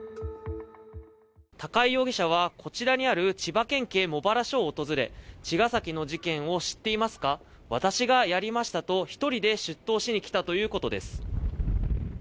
高井容疑者はこちらにある千葉県警茂原署を訪れ茅ヶ崎の事件を知っていますか、私がやりましたと１人で出頭しにきたということです